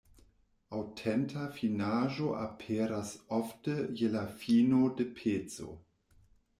Aŭtenta finaĵo aperas ofte je la fino de peco.